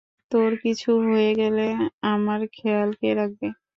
তোর কিছু হয়ে গেলে আমার খেয়াল কে রাখবে?